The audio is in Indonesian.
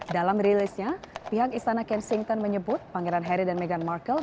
dalam rilisnya pihak istana kensington menyebut pangeran harry dan meghan markle